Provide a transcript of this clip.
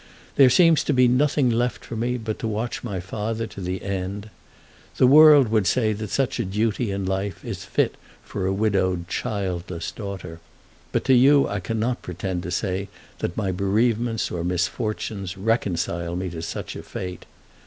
There seems to be nothing left for me but to watch my father to the end. The world would say that such a duty in life is fit for a widowed childless daughter; but to you I cannot pretend to say that my bereavements or misfortunes reconcile me to such a fate.